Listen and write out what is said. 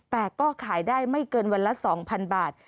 แต่ก็ขายได้ไม่เกินวันละ๒๐๐๐บาท